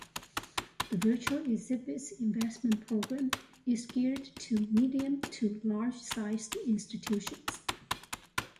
The Virtual Exhibits Investment Program is geared to medium- to large-sized institutions.